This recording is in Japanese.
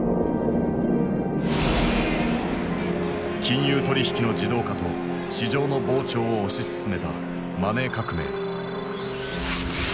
金融取引の自動化と市場の膨張を推し進めたマネー革命。